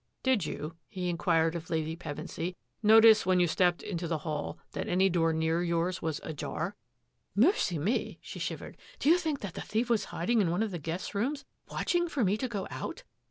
" Did you,'* he inquired of Lady Pev( " notice when you stepped into the hall that door near yours was ajar.'^ "" Mercy me !'' she shivered, " do you think the thief was hiding in one of the guests' re watching for me to go out?